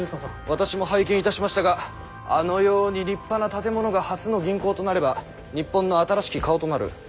私も拝見いたしましたがあのように立派な建物が初の銀行となれば日本の新しき顔となる。